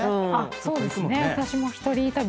そうですね。